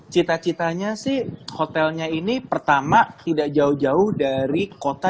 cita citanya sih hotelnya ini pertama tidak jauh jauh dari kota